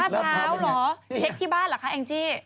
เช้าเหรอเช็คที่บ้านเหรอคะแองจี้